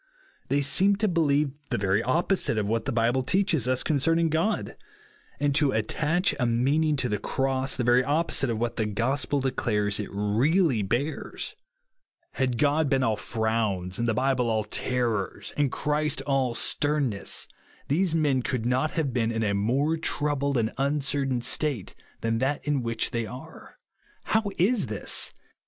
They seem to believe the very opposite of what the Bible teaches us concerning God ; and to attach a meaning to the Cross, the very opposite of what the gospel declares it really bears. Had God been all frowns, and the Bible all terrors, and Christ all sternness, these men could not have been in a more troubled and uncertain state than that in which they are. How is this